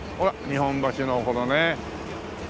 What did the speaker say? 日本橋のこのね。